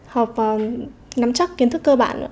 học nắm chắc kiến thức cơ bản